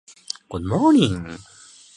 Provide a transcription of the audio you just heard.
卡瑙巴尔是巴西塞阿拉州的一个市镇。